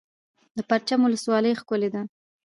د پرچمن ولسوالۍ ښکلې ده